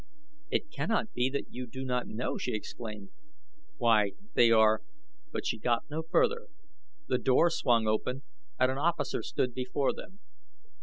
"It cannot be that you do not know!" she exclaimed. "Why, they are " but she got no further. The door swung open and an officer stood before them.